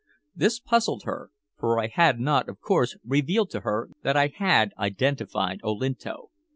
This puzzled her, for I had not, of course, revealed to her that I had identified Olinto.